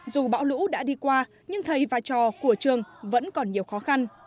dù bão lũ đã đi qua nhưng thầy và trò của trường vẫn còn nhiều khó khăn